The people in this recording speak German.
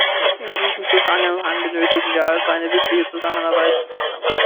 In diesem Zusammenhang benötigen wir also eine wirkliche Zusammenarbeit.